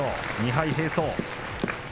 ２敗並走。